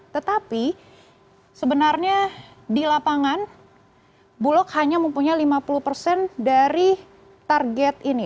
tetapi sebenarnya di lapangan bulog hanya mempunyai lima puluh persen dari target ini